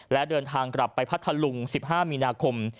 และเดินทางกลับไปพัทธลุง๑๕มีนาคม